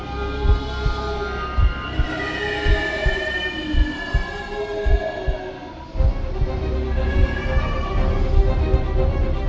bobo berhasil menemukan arasati